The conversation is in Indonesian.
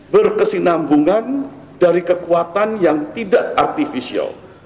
berkesinambungan dari kekuatan yang tidak artifisial